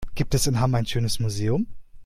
Gibt es in Hamm ein schönes Museum?